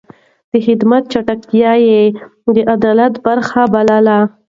د خدمت چټکتيا يې د عدالت برخه بلله.